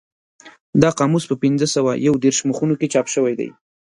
دا قاموس په پینځه سوه یو دېرش مخونو کې چاپ شوی دی.